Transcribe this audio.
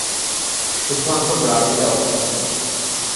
শুধুমাত্র ব্রাজিলে অবস্থিত।